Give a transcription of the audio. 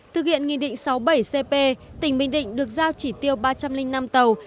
thực hiện nghị định sáu mươi bảy cp tỉnh bình định được giao chỉ tiêu ba trăm linh năm tàu